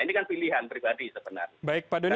ini kan pilihan pribadi sebenarnya